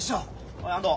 おい安藤。